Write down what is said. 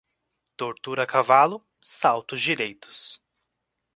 Tortura a cavalo, saltos direitos.